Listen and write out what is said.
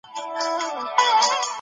د جنګ دوام اقتصادي وضعیت ډېر خراب کړ.